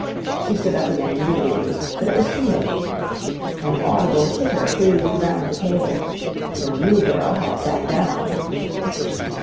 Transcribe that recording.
She stood up again immediately, but it was too late; an audible titter whizzed round the table: the new girl had sat down.